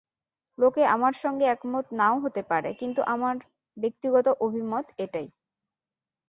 লোকে আমার সঙ্গে একমত না-ও হতে পারে, কিন্তু আমার ব্যক্তিগত অভিমত এটাই।